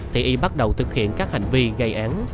thì y bắt đầu thực hiện các hành vi gây án